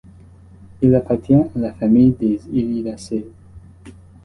Il appartient à la famille des Iridacées.